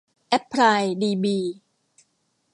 แอ็พพลาย ดีบี